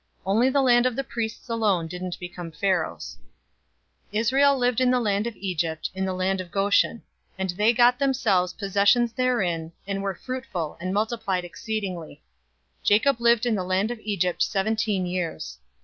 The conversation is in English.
Only the land of the priests alone didn't become Pharaoh's. 047:027 Israel lived in the land of Egypt, in the land of Goshen; and they got themselves possessions therein, and were fruitful, and multiplied exceedingly. 047:028 Jacob lived in the land of Egypt seventeen years.